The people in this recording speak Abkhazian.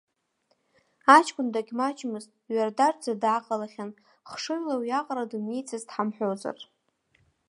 Аҷкәын дагьмаҷмызт, дҩардаџӡа дааҟалахьан, хшыҩла уиаҟара дымнеицызт ҳамҳәозар.